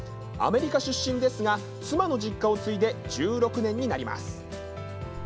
アメリカ出身ですが、妻の実家を継いで１６年になります。